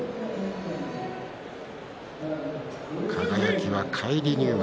輝は返り入幕。